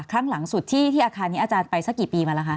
ครั้งหลังสุดที่อาคารนี้อาจารย์ไปสักกี่ปีมาแล้วคะ